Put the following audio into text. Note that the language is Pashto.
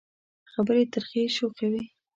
خبرې ترخې شوې وې.